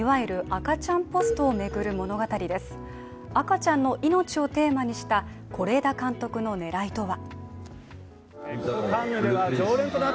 赤ちゃんの命をテーマにした是枝監督の狙いとは。